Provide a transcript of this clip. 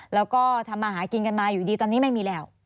แล้วก็ทำมาหากินกันมาอยู่ดีตอนนี้ไม่มีแล้ว